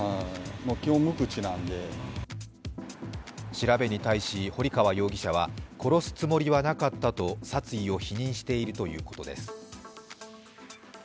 調べに対し堀川容疑者は殺すつもりはなかったと殺意を否認しているということです。